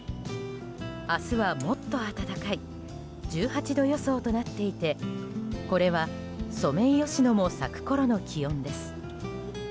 明日はもっと暖かい１８度予想となっていてこれはソメイヨシノも咲くころの気温です。